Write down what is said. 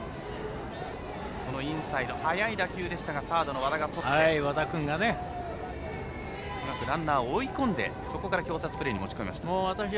このインサイド速い打球でしたがサードの和田がとってうまくランナーを追い込んで、そこから挟殺プレーに持ち込みました。